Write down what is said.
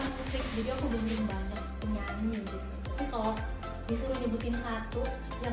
gak pernah ada yang kayak